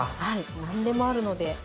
何でもあるので。